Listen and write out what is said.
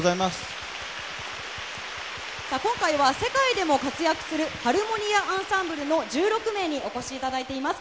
今回は、世界でも活躍するハルモニア・アンサンブルの１６名にお越しいただいています。